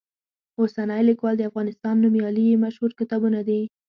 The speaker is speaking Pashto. اوسنی لیکوال، د افغانستان نومیالي یې مشهور کتابونه دي.